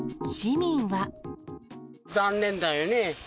残念だよね。